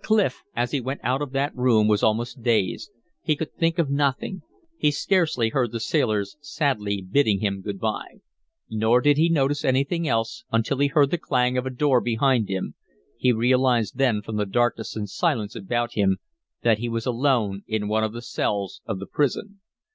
Clif as he went out of that room was almost dazed; he could think of nothing. He scarcely heard the sailors sadly bidding him good by. Nor did he notice anything else until he heard the clang of a door behind him, he realized then from the darkness and silence about him that he was alone in one of the cells of the prison.